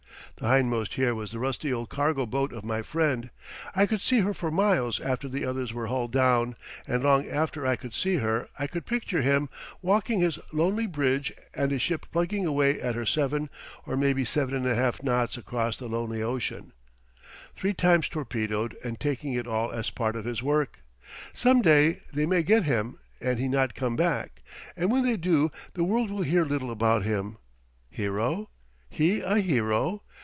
The hindmost here was the rusty old cargo boat of my friend. I could see her for miles after the others were hull down; and long after I could see her I could picture him walking his lonely bridge and his ship plugging away at her 7 or maybe 7 1/2 knots across the lonely ocean. Three times torpedoed and taking it all as part of his work! Some day they may get him and he not come back; and when they do the world will hear little about him. Hero? He a hero?